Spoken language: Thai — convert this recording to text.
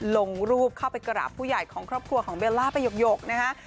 ลงรูปเข้าไปกราบผู้ใหญ่ของครอบครัวของเบลล่าไปหยกนะฮะ